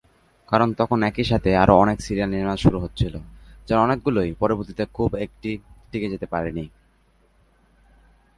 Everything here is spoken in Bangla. কারণ তখন একই সাথে আরও অনেক সিরিয়ালের নির্মাণ শুরু হচ্ছিল যার অনেকগুলোই পরবর্তিতে খুব একটি টিকে যেতে পারেনি।